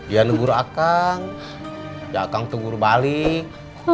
ya negara akan datang tunggu balik